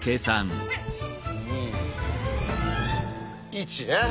１ね。